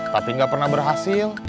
tapi nggak pernah berhasil